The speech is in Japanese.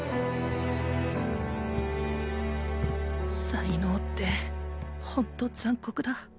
才能ってほんと残酷だ。